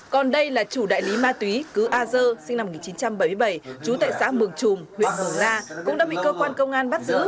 còn đây là chủ đại lý ma túy cứ a dơ sinh năm một nghìn chín trăm bảy mươi bảy trú tại xã mường trùm huyện mường la cũng đã bị cơ quan công an bắt giữ